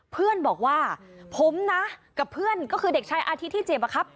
เพื่อนบอกว่าผมนะกับเพื่อนก็คือเด็กชายอาทิตย์ที่เจ็บอะครับ